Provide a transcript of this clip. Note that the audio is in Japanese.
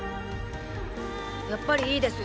やっぱりいいです。